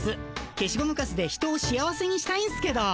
けしゴムカスで人を幸せにしたいんすけど。